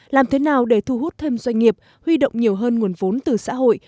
làm thế nào để thu hút thêm doanh nghiệp huy động nhiều hơn nguồn vốn từ xã hội